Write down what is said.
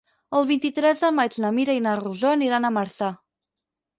El vint-i-tres de maig na Mira i na Rosó aniran a Marçà.